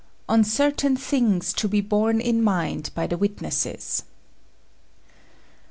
ON CERTAIN THINGS TO BE BORNE IN MIND BY THE WITNESSES.